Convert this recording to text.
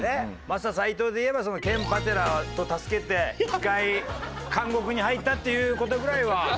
マサ斎藤でいえばケン・パテラを助けて１回監獄に入ったっていう事ぐらいは。